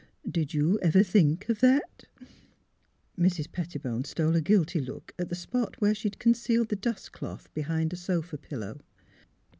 Did you ever think of that? " Mrs. Pettibone stole a guilty look at the spot where she had concealed the dustcloth behind a sofa pillow.